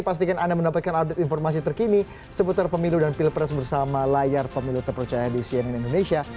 pastikan anda mendapatkan update informasi terkini seputar pemilu dan pilpres bersama layar pemilu terpercaya di cnn indonesia